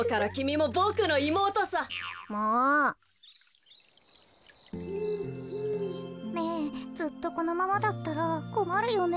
もう。ねえずっとこのままだったらこまるよね。